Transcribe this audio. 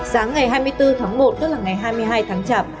sáng ngày hai mươi bốn tháng một tức là ngày hai mươi hai tháng chạp